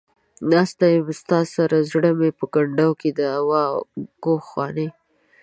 ناسته يمه ستا سره ، زړه مې په کندو کې دى ، واوا گوخانې.